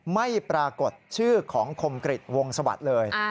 ไม่ปรากฏชื่อของคมกริจวงสวัสดิ์เลย